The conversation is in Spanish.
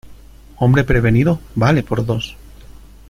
Hombre prevenido vale por dos.